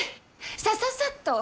さささっと！